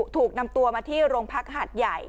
ถูกนำตัวมาที่โรงพักหาดใหญ่